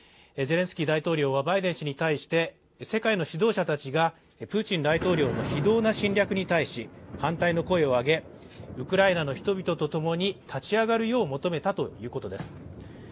ゼレンスキー大統領はバイデン氏に対して世界の指導者たちがプーチン大統領の非道な侵略に対し反対の声を上げ、ウクライナの人々と共に立ち上がるよう求めたということです。